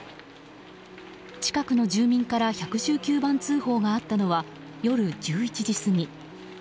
近くの住民から１１９番通報があったのは夜１１時過ぎ。